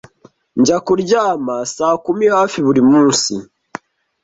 Njya kuryama saa kumi hafi buri munsi.